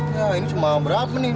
ya ini cuma berapa nih